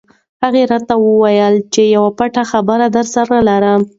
هغه راته وویل چې یوه پټه خبره درسره لرم.